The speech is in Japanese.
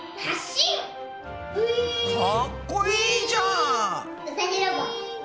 かっこいいじゃん！